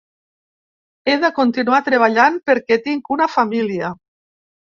He de continuar treballant perquè tinc una família.